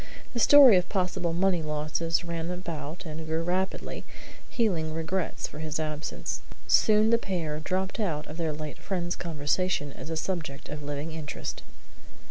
The story of possible money losses ran about and grew rapidly, healing regrets for his absence. Soon the pair dropped out of their late friends' conversation as a subject of living interest.